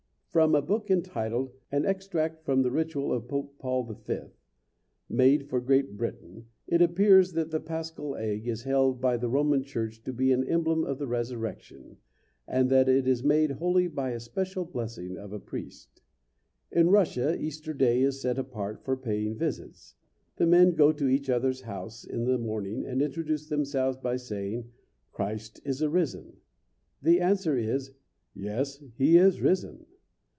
From a book entitled "An Extract from the Ritual of Pope Paul V.," made for Great Britain, it appears that the paschal egg is held by the Roman church to be an emblem of the resurrection, and that it is made holy by a special blessing of a priest. In Russia Easter day is set apart for paying visits. The men go to each other's house in the morning and introduce themselves by saying "Christ is arisen." The answer is "Yes, he is risen!"